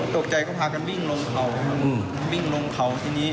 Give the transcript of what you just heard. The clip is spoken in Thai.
ตกใจก็พากันวิ่งลงเขาวิ่งลงเขาทีนี้